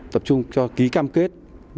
tập trung cho ký cam kết